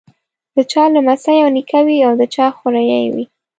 د چا لمسی او نیکه وي او د چا خوريی وي.